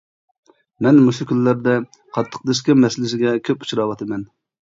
مەن مۇشۇ كۈنلەردە قاتتىق دىسكا مەسىلىسىگە كۆپ ئۇچراۋاتىمەن.